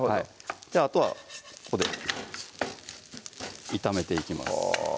じゃああとはここで炒めていきます